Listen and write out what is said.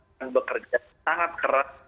yang bekerja sangat keras